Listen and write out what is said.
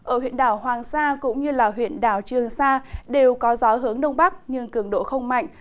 ở huyện đảo hoàng sa cũng như huyện đảo trường sa đều có gió hướng đông bắc nhưng cường độ không mạnh